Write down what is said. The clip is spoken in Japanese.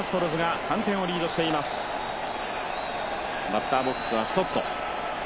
バッターボックスはストット。